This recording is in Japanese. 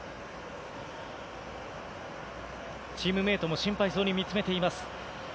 チームメートも心配そうに見つめています。